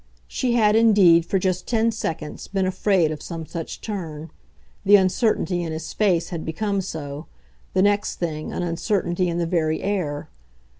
She had indeed, for just ten seconds, been afraid of some such turn: the uncertainty in his face had become so, the next thing, an uncertainty in the very air.